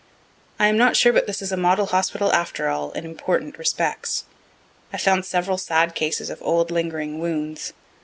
I am not sure but this is a model hospital after all, in important respects. I found several sad cases of old lingering wounds.